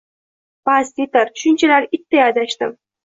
Bas, yetar shunchalar itday adashdim